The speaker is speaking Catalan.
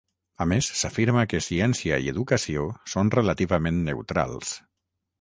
A més, s'afirma que ciència i educació són relativament neutrals.